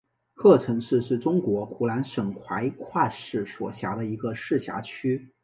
鹤城区是中国湖南省怀化市所辖的一个市辖区。